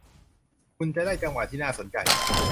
คุณจะได้จังหวะที่น่าสนใจ